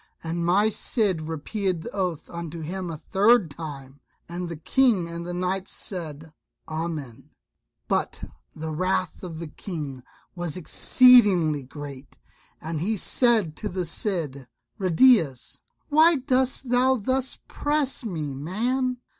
And my Cid repeated the oath unto him a third time, and the King and the knights said "Amen." But the wrath of the King was exceedingly great, and he said to the Cid, "Ruydiez, why dost thou thus press me, man?